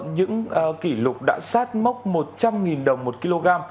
những kỷ lục đã sát mốc một trăm linh đồng một kg